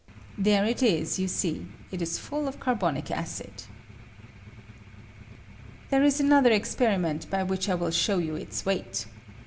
There it is, yon ee ; it is full of carbonic acid. There is another experiment by which I will show you its weight.